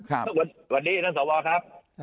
สวัสดีท่านสอวรครับ